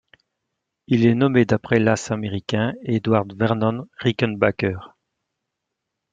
Il est nommé d'après l'as américain Edward Vernon Rickenbacker.